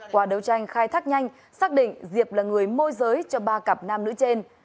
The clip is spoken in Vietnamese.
qua đấu tranh khai thác nhanh xác định diệp là người môi giới cho ba cặp nam nữ trên